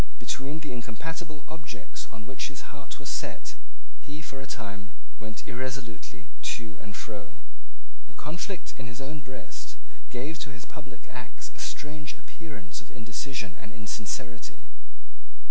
Between the incompatible objects on which his heart was set he, for a time, went irresolutely to and fro. The conflict in his own breast gave to his public acts a strange appearance of indecision and insincerity.